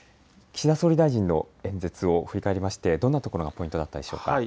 岸田総理大臣の演説を振り返りましてどんなところがポイントだったでしょうか。